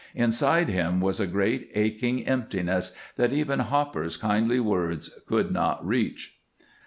Inside him was a great aching emptiness that even Hopper's kindly words could not reach.